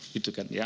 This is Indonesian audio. gitu kan ya